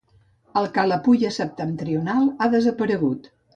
El Kalapuya septentrional ha desaparegut.